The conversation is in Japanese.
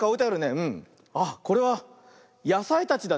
あっこれはやさいたちだね。